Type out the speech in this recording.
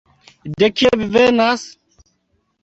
De kie vi venas?